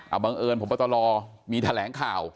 เอาบังเอิญผมก็ต้องรอมีแถลงข่าว